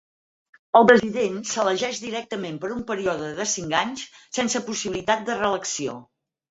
El president s"elegeix directament per a un període de cinc anys, sense possibilitat de reelecció.